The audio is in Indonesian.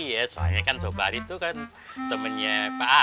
iya soalnya kan sobari tuh kan temennya pak haji kan